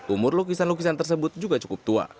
umur lukisan lukisan tersebut juga cukup tua